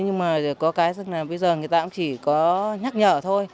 nhưng mà có cái là bây giờ người ta cũng chỉ có nhắc nhở thôi